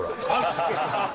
ハハハハ！